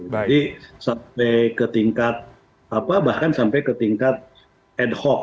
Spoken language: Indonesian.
jadi sampai ke tingkat bahkan sampai ke tingkat ad hoc